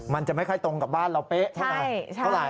มันจะไม่ค่อยตรงกับบ้านเราเป๊ะเท่าไหร่